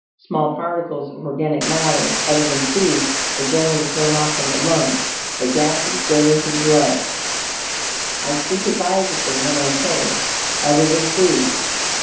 Small particles of organic matter other than food are generally thrown off from the lungs; but gases go into the blood. I speak advisedly when I say "other than food."